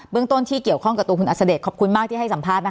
เบื้องต้นที่เกี่ยวข้องคุณอัจเสด็จขอบคุณมากที่ให้สัมภาษณ์